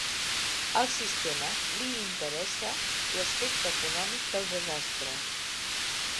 Al sistema li interessa l'aspecte econòmic del desastre.